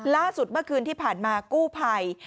ล่าสุดเมื่อคืนที่ผ่านมากู้ภัย